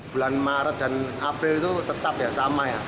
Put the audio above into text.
bulan maret dan april itu tetap sama